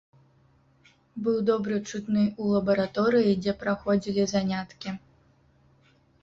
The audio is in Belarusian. Быў добра чутны ў лабараторыі, дзе праходзілі заняткі.